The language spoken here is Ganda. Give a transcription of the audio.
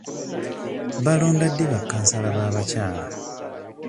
Balonda ddi ba kansala b'abakyala?